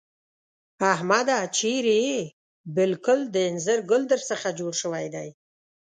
احمده! چېرې يې؟ بالکل د اينځر ګل در څخه جوړ شوی دی.